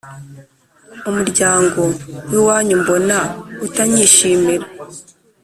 Umuryango wiwanyu mbona utanyishimira